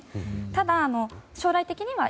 ただ、将来的には